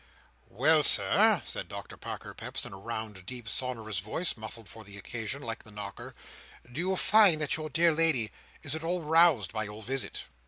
"Well, Sir," said Doctor Parker Peps in a round, deep, sonorous voice, muffled for the occasion, like the knocker; "do you find that your dear lady is at all roused by your visit?"